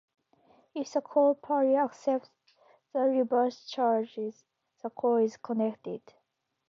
If the called party accepts the reverse charges, the call is connected.